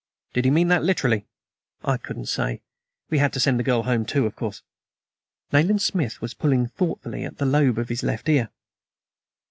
"Did he mean that literally?" "I couldn't say. We had to send the girl home, too, of course." Nayland Smith was pulling thoughtfully at the lobe of his left ear.